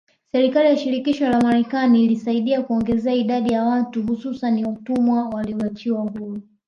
Serikali ya shirikisho la marekani ilisaidia kuiongezea idadi ya watu hususani watumwa walioachiwa huru